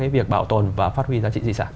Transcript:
việc bảo tồn và phát huy giá trị di sản